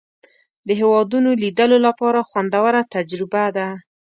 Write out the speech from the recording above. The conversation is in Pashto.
د هېوادونو لیدلو لپاره خوندوره تجربه ده.